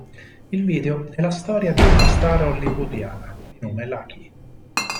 Il video è la storia di una star hollywoodiana, di nome Lucky.